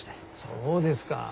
そうですか。